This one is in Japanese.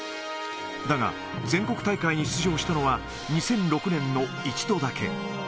だが、全国大会に出場したのは、２００６年の１度だけ。